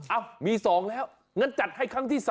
มี๒แล้วงั้นจัดให้ครั้งที่๓